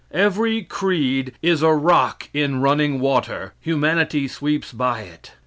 Every creed is a rock in running water; humanity sweeps by it.